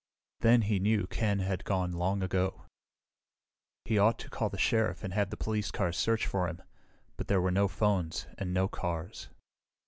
Then he knew Ken had gone long ago. He ought to call the Sheriff and have the police cars search for him, but there were no phones and no cars.